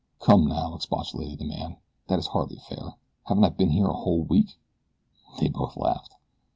"Come now," expostulated the man. "That is hardly fair. Haven't I been here a whole week?" They both laughed.